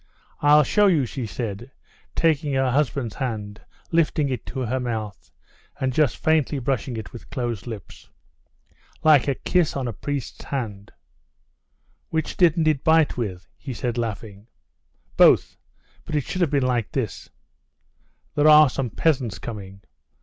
"I'll show you," she said, taking her husband's hand, lifting it to her mouth, and just faintly brushing it with closed lips. "Like a kiss on a priest's hand." "Which didn't it bite with?" he said, laughing. "Both. But it should have been like this...." "There are some peasants coming...."